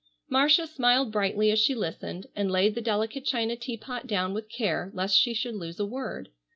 Marcia smiled brightly as she listened, and laid the delicate china teapot down with care lest she should lose a word.